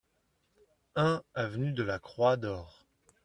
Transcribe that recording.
un avenue de la Croix d'Hors